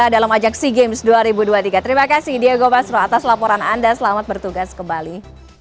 diago basro atas laporan anda selamat bertugas kembali